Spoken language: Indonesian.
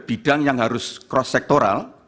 bidang yang harus cross sektoral